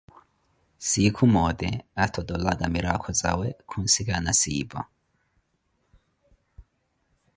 Sinkhu moote, athottolaka mirakho zawe, khunsikana Siipa.